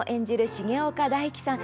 重岡大毅さん